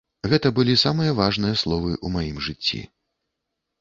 Гэта былі самыя важныя словы ў маім жыцці.